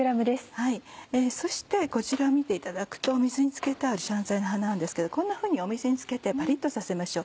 そしてこちらを見ていただくと水につけてある香菜の葉なんですけどこんなふうに水につけてパリっとさせましょう。